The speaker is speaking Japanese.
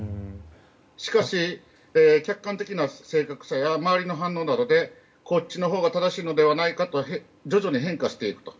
しかし、客観的な正確さや周りの反応などでこっちのほうが正しいのではないかと徐々に変化していくと。